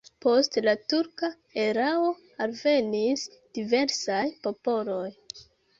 Post la turka erao alvenis diversaj popoloj.